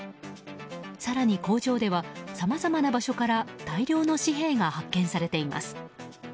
更に工場ではさまざまな場所から大量の紙幣が発見されています。